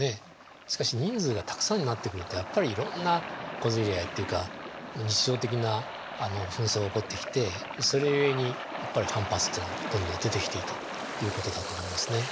しかし人数がたくさんになってくるとやっぱりいろんな小競り合いというか日常的な紛争が起こってきてそれを理由にやっぱり反発っていうのがどんどん出てきていたということだと思いますね。